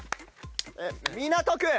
港区。